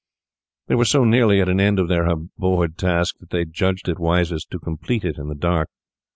They were so nearly at an end of their abhorred task that they judged it wisest to complete it in the dark.